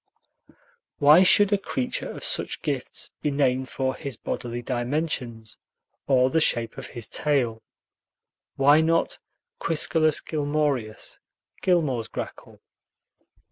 Why should a creature of such gifts be named for his bodily dimensions, or the shape of his tail? Why not Quiscalus gilmorius, Gilmore's grackle?